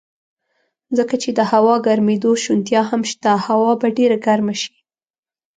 ځکه چې د هوا ګرمېدو شونتیا هم شته، هوا به ډېره ګرمه شي.